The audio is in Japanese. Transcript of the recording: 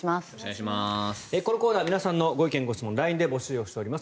このコーナー皆さんのご意見・ご質問をＬＩＮＥで募集しております。